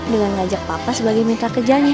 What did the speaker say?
dengan mengajak papa sebagai pemerintah kerjaannya